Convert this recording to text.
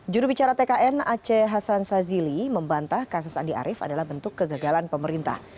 juru bicara tkn aceh hassan sazili membantah kasus andi arief adalah bentuk kegagalan pemerintah